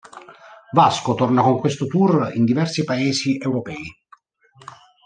Vasco torna con questo tour in diversi paesi europei.